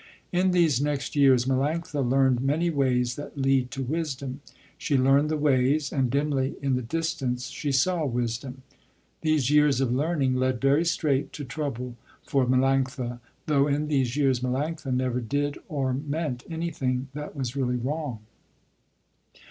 In these next years Melanctha learned many ways that lead to wisdom. She learned the ways, and dimly in the distance she saw wisdom. These years of learning led very straight to trouble for Melanctha, though in these years Melanctha never did or meant anything that was really wrong.